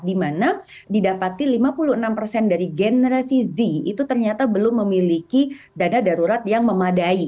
dimana didapati lima puluh enam dari generasi z itu ternyata belum memiliki dana darurat yang memadai